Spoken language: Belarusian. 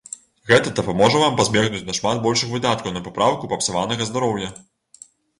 Гэта дапаможа вам пазбегнуць нашмат большых выдаткаў на папраўку папсаванага здароўя.